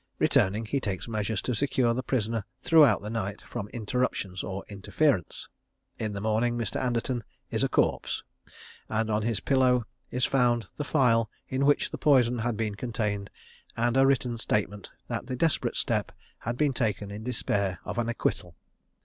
Returning he takes measures to secure the prisoner throughout the night from interruption or interference. In the morning Mr. Anderton is a corpse, and on his pillow is found the phial in which the poison had been contained, and a written statement that the desperate step had been taken in despair of an acquittal.